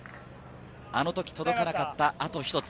あの時届かなかったあと１つ。